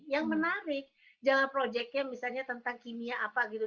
yang menarik jangan projectnya misalnya tentang kimia apa gitu